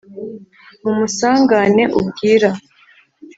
mumusangane ubwira